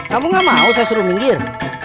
kamu gak mau saya suruh minggir